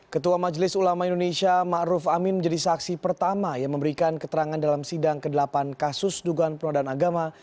ketua majelis ulama indonesia ⁇ maruf ⁇ amin menjadi saksi pertama yang memberikan keterangan dalam sidang ke delapan kasus dugaan penodaan agama